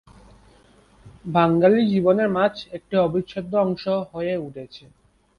বাঙালী জীবনে মাছ একটি অবিচ্ছেদ্য অংশ হয়ে উঠেছে।